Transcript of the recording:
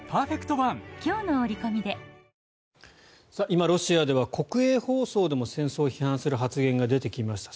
今、ロシアでは国営放送でも戦争を批判する発言が出てきました。